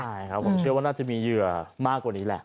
ใช่ครับผมเชื่อว่าน่าจะมีเหยื่อมากกว่านี้แหละ